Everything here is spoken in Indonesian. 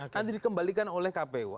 nanti dikembalikan oleh kpu